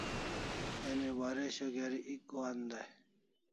Emi waresho geri ek gohan dai